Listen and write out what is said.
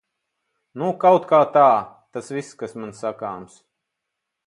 Nu kautkā tā. Tas viss, kas man sakāms.